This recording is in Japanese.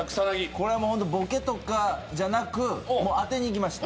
これはもうホントボケとかじゃなく当てにいきました。